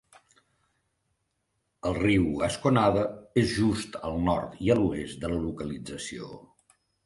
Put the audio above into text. El riu Gasconade és just al nord i a l'oest de la localització.